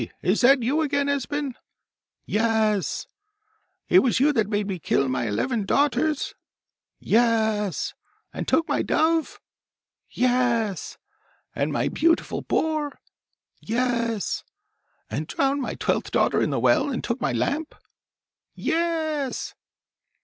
is that you again, Esben?' 'Ye e s!' 'It was you that made me kill my eleven daughters?' 'Ye e s!' 'And took my dove?' 'Ye e s!' 'And my beautiful boar?' 'Ye e s!' 'And drowned my twelfth daughter in the well, and took my lamp?' 'Ye e s!